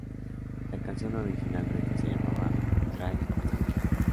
La canción originalmente se llamaba "Drive Talking".